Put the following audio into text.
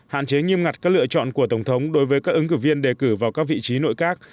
hạn chế nghiêm ngặt các lựa chọn của tổng thống đối với các ứng cử viên đề cử vào các vị trí nội các